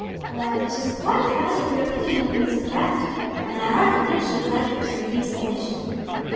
"Well, it is quite right if your opinion of him is correct; and I hardly think she is likely to refuse submission."